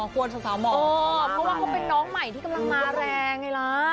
อ๋อควรสาวหมอบเขามาแรงเลยอ๋อเพราะว่าเขาเป็นน้องใหม่ที่กำลังมาแรงไงล่ะ